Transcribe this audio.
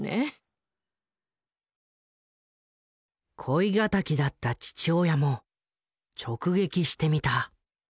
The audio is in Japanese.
恋敵だった父親も直撃してみた。